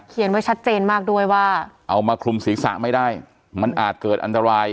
ไว้ชัดเจนมากด้วยว่าเอามาคลุมศีรษะไม่ได้มันอาจเกิดอันตราย